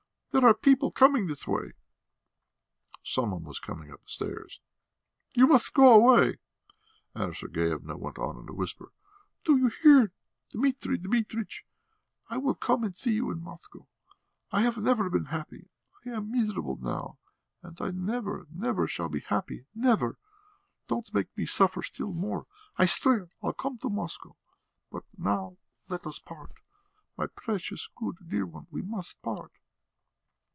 There are people coming this way!" Some one was coming up the stairs. "You must go away," Anna Sergeyevna went on in a whisper. "Do you hear, Dmitri Dmitritch? I will come and see you in Moscow. I have never been happy; I am miserable now, and I never, never shall be happy, never! Don't make me suffer still more! I swear I'll come to Moscow. But now let us part. My precious, good, dear one, we must part!"